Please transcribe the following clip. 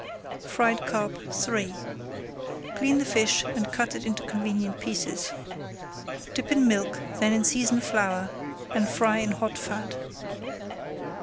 FRIED CARP III Clean the fish and cut it into convenient pieces. Dip in milk then in seasoned flour, and fry in hot fat.